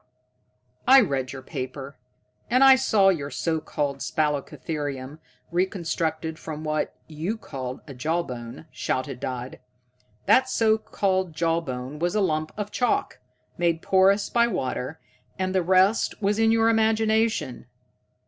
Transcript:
"I read your paper, and I saw your so called spalacotherium, reconstructed from what you called a jaw bone," shouted Dodd. "That so called jaw bone was a lump of chalk, made porous by water, and the rest was in your imagination.